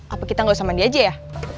apa kita gak usah mandi aja ya